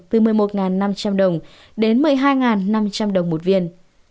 từ một mươi một năm trăm linh đồng đến một mươi hai năm trăm linh đồng một viên